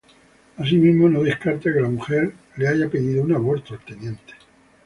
Asimismo, no descarta que la mujer le haya pedido un aborto al teniente.